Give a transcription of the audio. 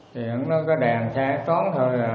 thì hắn nói cái đèn xa trốn thôi là